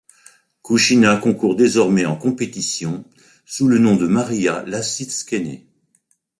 Kuchina concourt désormais en compétition sous le nom de Mariya Lasitskene.